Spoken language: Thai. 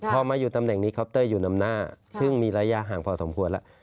พอมาอยู่ตำแหน่งนี้คอปเตอร์อยู่นำหน้าซึ่งมีระยะห่างพอสมควรแล้ว